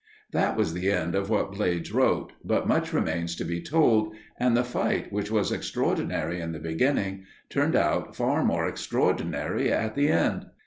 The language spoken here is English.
That was the end of what Blades wrote, but much remains to be told, and the fight, which was extraordinary in the beginning, turned out far more extraordinary at the end.